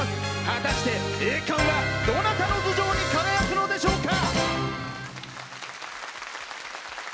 果たして、栄冠はどなたの頭上に輝くのでしょうか。